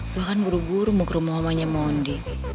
gue kan buru buru mau ke rumah omanya mondi